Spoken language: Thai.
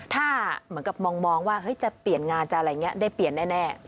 ถ้าเหมือนกับมองว่าจะเปลี่ยนงานจะอะไรอย่างนี้ได้เปลี่ยนแน่